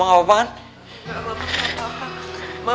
neighbors sekitarnya rasak